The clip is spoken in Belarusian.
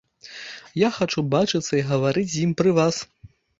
Я хачу бачыцца і гаварыць з ім пры вас.